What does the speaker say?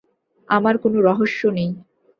আমার কোনো রহস্য নেই।